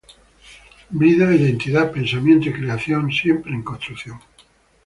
Vida, identidad, pensamiento y creación siempre en construcción.